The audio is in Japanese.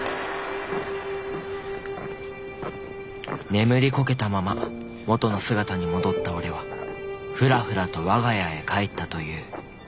眠りこけたまま元の姿に戻ったおれはフラフラと我が家へ帰ったという。